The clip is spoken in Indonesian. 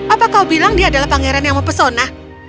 apa kau bilang dia adalah pangeran yang mempesona